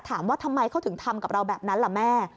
ถามว่าทำไมเขาถึงทำกับเราแบบนั้นล่ะแม่